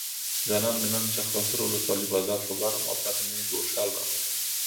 جان مې نن چخانسور ولسوالۍ بازار ته لاړم او تاته مې ګوښال راوړل.